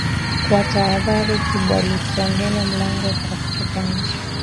Kwa tahadhari kubwaalisogelea mlango wa kutoka nje